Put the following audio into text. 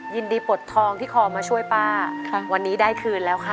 ปลดทองที่คอมาช่วยป้าค่ะวันนี้ได้คืนแล้วค่ะ